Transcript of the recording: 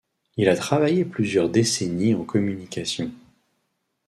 Il a travaillé plusieurs décennies en communications.